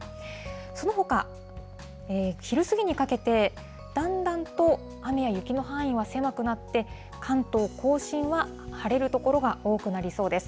そのほか、昼過ぎにかけてだんだんと雨や雪の範囲は狭くなって、関東甲信は晴れる所が多くなりそうです。